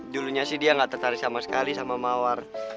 julunya sih dia nggak tertarik sama sekali sama mawar